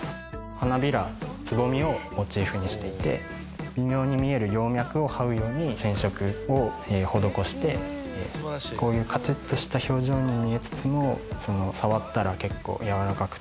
花びらつぼみをモチーフにしていて微妙に見える葉脈をはうように染色を施してこういうかちっとした表情に見えつつも触ったら結構やわらかくて。